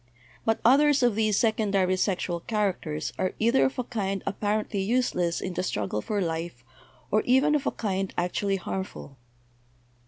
But others of these secondary sexual characters are either of a kind apparently useless in the struggle for life, or even of a kind actually harmful.